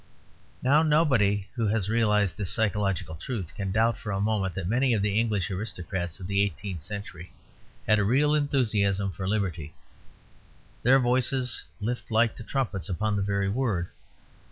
Now, nobody who has realized this psychological truth can doubt for a moment that many of the English aristocrats of the eighteenth century had a real enthusiasm for liberty; their voices lift like trumpets upon the very word.